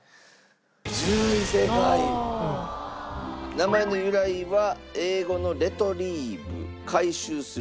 名前の由来は英語の「レトリーブ」「回収する」。